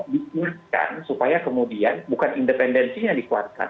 bikin supaya kemudian bukan independensinya yang dikuatkan